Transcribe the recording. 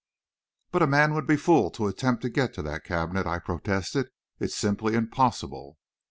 "But a man would be a fool to attempt to get to that cabinet," I protested. "It's simply impossible."